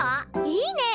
いいね！